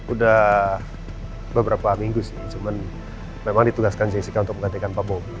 udah beberapa minggu sih cuman memang ditugaskan jessica untuk menggantikan pak bob